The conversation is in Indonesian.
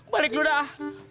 balik lu dah